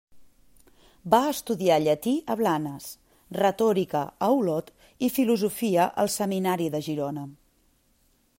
Va estudiar llatí a Blanes, retòrica a Olot i filosofia al seminari de Girona.